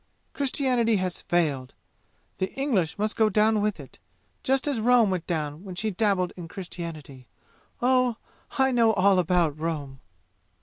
Christianity has failed! The English must go down with it just as Rome went down when she dabbled in Christianity. Oh, I know all about Rome!"